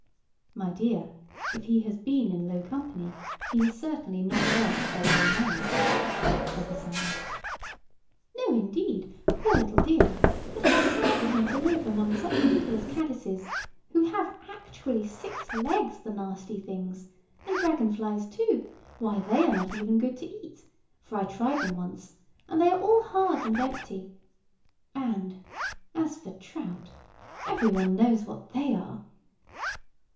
"My dear, if he has been in low company, he has certainly not learnt their low manners," said the salmon. "No, indeed, poor little dear: but how sad for him to live among such people as caddises, who have actually six legs, the nasty things; and dragon flies, too! why they are not even good to eat; for I tried them once, and they are all hard and empty; and, as for trout, every one knows what they are."